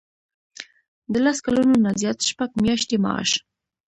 د لس کلونو نه زیات شپږ میاشتې معاش.